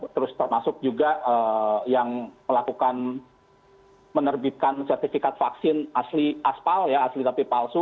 terus termasuk juga yang melakukan menerbitkan sertifikat vaksin asli aspal ya asli tapi palsu